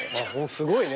すごいね。